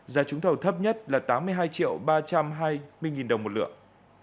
giá trúng thầu thấp nhất là tám mươi hai ba trăm hai mươi đồng một lượng